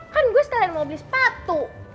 kan gue sekalian mau beli sepatu